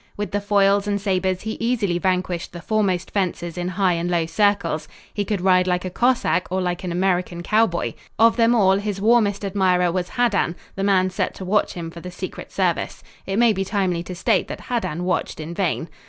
With the foils and sabers he easily vanquished the foremost fencers in high and low circles. He could ride like a Cossack or like an American cowboy. Of them all, his warmest admirer was Haddan, the man set to watch him for the secret service. It may be timely to state that Haddan watched in vain.